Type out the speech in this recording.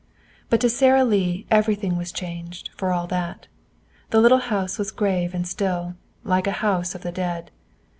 But to Sara Lee everything was changed, for all that. The little house was grave and still, like a house of the dead.